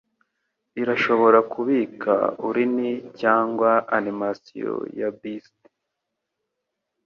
Irashobora kubika urn cyangwa animasiyo ya bust